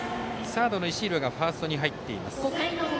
サードの石浦がファーストに入っています。